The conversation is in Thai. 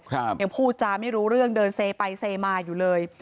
ยังพูดจาไม่รู้เรื่องเดินเซไปเซมาอยู่เลย